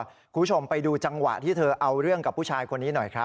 คุณผู้ชมไปดูจังหวะที่เธอเอาเรื่องกับผู้ชายคนนี้หน่อยครับ